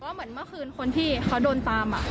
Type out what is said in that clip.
เหมือนเมื่อคืนคนที่เขาโดนตาม